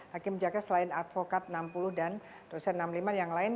hakim jaksa selain advokat enam puluh dan dosen enam puluh lima yang lain